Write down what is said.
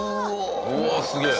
うわすげえ！